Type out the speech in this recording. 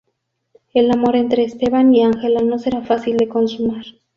El amor entre Esteban y Ángela no será fácil de consumar.